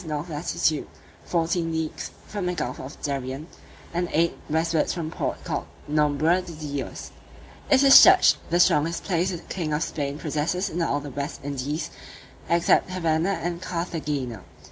north latitude, fourteen leagues from the gulf of Darien, and eight westwards from the port called Nombre de Dios. It is judged the strongest place the king of Spain possesses in all the West Indies, except Havanna and Carthagena.